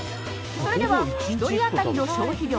それでは、１人当たりの消費量